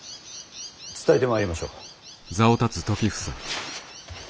伝えてまいりましょう。